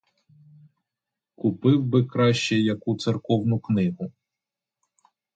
Купив би краще яку церковну книгу.